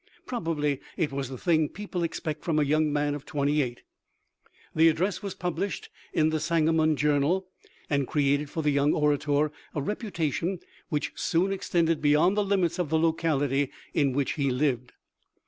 Probably it was the thing people expect from a young man of twenty eight. The address was published in the Sangamon Journal and created for the young orator a reputation which soon extended beyond the limits of the locality in which he lived.